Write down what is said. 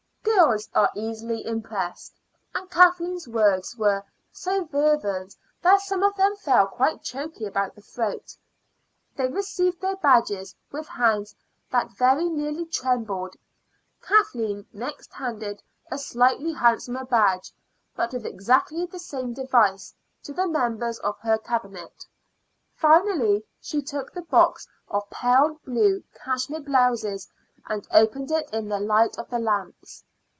Girls are easily impressed, and Kathleen's words were so fervent that some of them felt quite choky about the throat. They received their badges with hands that very nearly trembled. Kathleen next handed a slightly handsomer badge, but with exactly the same device, to the members of her Cabinet. Finally, she took the box of pale blue cashmere blouses and opened it in the light of the lamps.